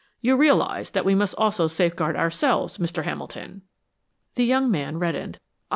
You realize that we also must safeguard ourselves, Mr. Hamilton." The young man reddened.